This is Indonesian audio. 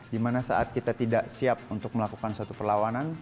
dimana saat kita tidak siap untuk melakukan suatu perlawanan